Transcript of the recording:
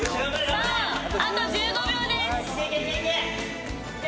さああと１５秒です。